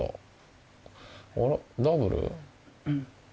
あらダブル？